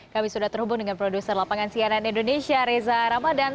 kami sudah terhubung dengan produser lapangan cnn indonesia reza ramadan